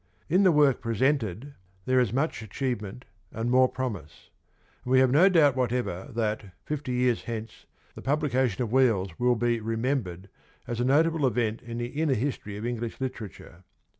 In the work presented there is much achieve ment and more promise, and we have no doubt whatever that, fifty years hence, the publication of ' Wheels ' will be remem bered as a notable event in the inner history of English literature.